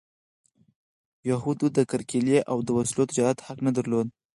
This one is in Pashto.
یهودو د کرکیلې او د وسلو تجارت حق نه درلود.